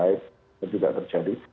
itu tidak terjadi